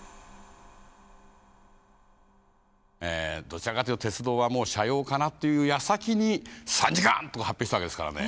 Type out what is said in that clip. どちらかというと鉄道はもう斜陽かなというやさきに「３時間」とか発表したわけですからね。